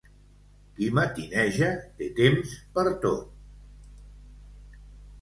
Qui matineja, té temps per tot.